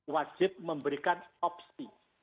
wajib memberikan opsi